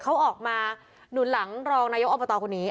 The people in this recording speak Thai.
เขาออกมาหนุนหลังรองนายกอบตคนนี้